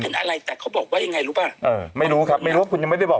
เห็นอะไรแต่เขาบอกว่ายังไงรู้ป่ะเออไม่รู้ครับไม่รู้ว่าคุณยังไม่ไปบอก